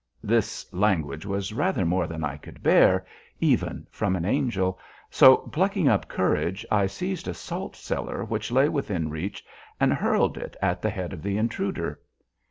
This language was rather more than I could bear, even from an angel; so, plucking up courage, I seized a salt cellar which lay within reach, and hurled it at the head of the intruder.